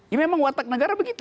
ya memang watak negara begitu